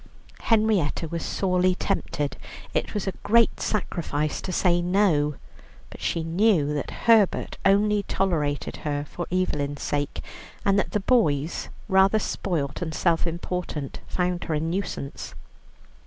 Henrietta was sorely tempted, it was a great sacrifice to say no. But she knew that Herbert only tolerated her for Evelyn's sake, and that the boys, rather spoilt and self important, found her a nuisance.